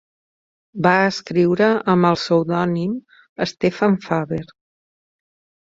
Va escriure amb el pseudònim Stefan Faber.